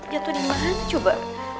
jatuh dimana coba